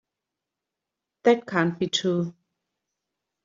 That can't be true.